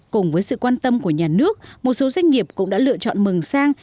cùng với sự quan tâm của nhà nước một số doanh nghiệp cũng đã lựa chọn mừng sang